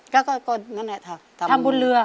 ก็นั่นแหละทำบุญเรือ